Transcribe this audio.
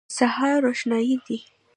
سهار روښنايي دی.